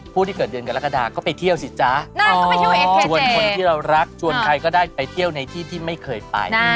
ผู้ที่เกิดเดือนกรกฎาก็ไปเที่ยวสิจ๊ะชวนคนที่เรารักชวนใครก็ได้ไปเที่ยวในที่ที่ไม่เคยไป